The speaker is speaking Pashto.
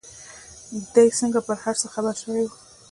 دى څنگه پر هر څه خبر سوى و.